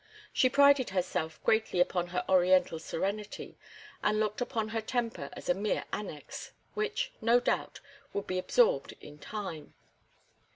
She prided herself greatly upon her Oriental serenity, and looked upon her temper as a mere annex, which, no doubt, would be absorbed in time.